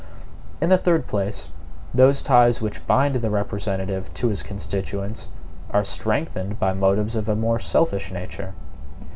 In the third place, those ties which bind the representative to his constituents are strengthened by motives of a more selfish nature.